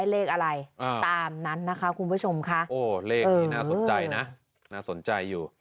โอ้เลขนี้น่าสนใจน่าสนใจอยู่